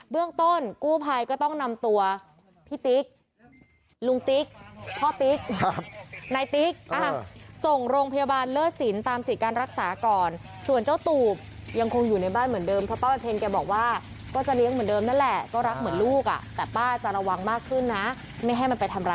เรื่องต้นกู้ภัยก็ต้องนำตัวพี่ติ๊กลุงติ๊กพ่อติ๊กนายติ๊กส่งโรงพยาบาลเลิศสินตามสิทธิ์การรักษาก่อนส่วนเจ้าตูบยังคงอยู่ในบ้านเหมือนเดิมเพราะป้าวันเพ็ญแกบอกว่าก็จะเลี้ยงเหมือนเดิมนั่นแหละก็รักเหมือนลูกอ่ะแต่ป้าจะระวังมากขึ้นนะไม่ให้มันไปทำร้าย